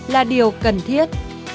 là điều cần thiết